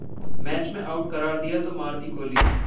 match में out करार दिया तो मार दी गोली